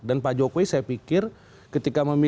dan pak jokowi saya pikir ketika memimpin